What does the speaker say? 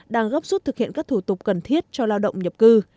đang gấp rút thực hiện các thủ tục cần thiết cho lao động nhập cư